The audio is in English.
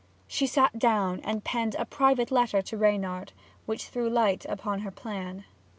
She sat down and penned a private letter to Reynard, which threw light upon her plan.